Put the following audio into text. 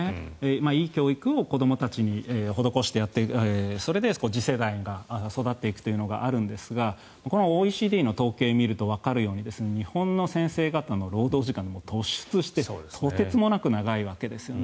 いい教育を子どもたちに施してやってそれで次世代が育っていくというのがあるんですがこのＯＥＣＤの統計を見るとわかるように日本の先生方の労働時間突出してとてつもなく長いわけですよね。